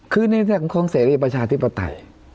คือในวิทยาลัยของโครงเศรษฐ์ประชาธิปไตย